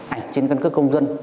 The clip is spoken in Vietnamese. ảnh trên căn cứ công dân